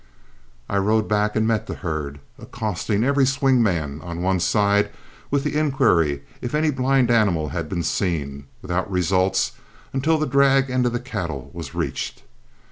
I rode back and met the herd, accosting every swing man on one side with the inquiry if any blind animal had been seen, without results until the drag end of the cattle was reached.